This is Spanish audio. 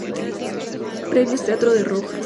Premios Teatro de Rojas